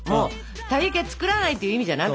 たい焼きは作らないという意味じゃなくて。